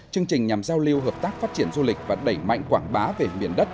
chương trình nhằm giao lưu hợp tác phát triển du lịch và đẩy mạnh quảng bá về miền đất